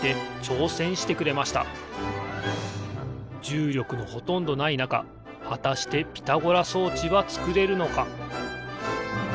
じゅうりょくのほとんどないなかはたしてピタゴラ装置はつくれるのか？